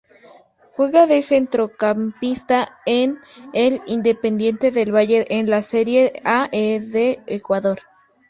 Juega de centrocampista en el Independiente del Valle en la Serie A de Ecuador.